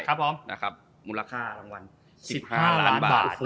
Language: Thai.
มูลค่ารางวัล๑๕ล้านบาท